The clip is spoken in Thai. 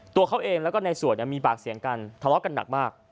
ตัวเขาเองแล้วก็ในสวยมีปากเสียงกันทะเลาะกันหนักมาก